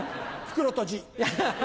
袋とじ。